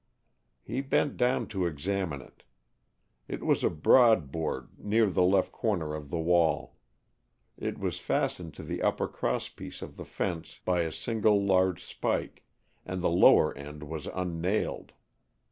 He bent down to examine it. It was a broad board near the left corner of the wall. It was fastened to the upper cross piece of the fence by a single large spike, and the lower end was unnailed.